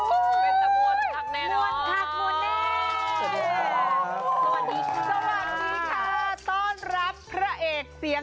โปรดติดตามต่อไป